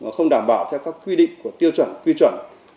không đảm bảo theo các quy định của tiêu chuẩn quy chuẩn